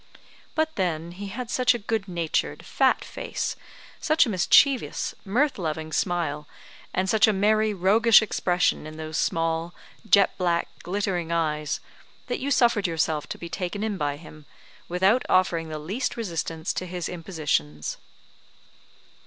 But, then, he had such a good natured, fat face, such a mischievous, mirth loving smile, and such a merry, roguish expression in those small, jet black, glittering eyes, that you suffered yourself to be taken in by him, without offering the least resistance to his impositions.